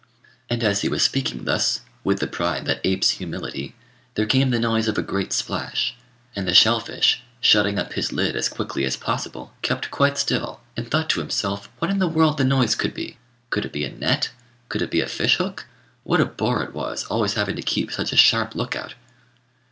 And as he was speaking thus, with the pride that apes humility, there came the noise of a great splash; and the shell fish, shutting up his lid as quickly as possible, kept quite still, and thought to himself, what in the world the noise could be. Could it be a net? Could it be a fish hook? What a bore it was, always having to keep such a sharp look out!